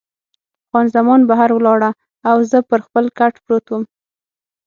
خان زمان بهر ولاړه او زه پر خپل کټ پروت وم.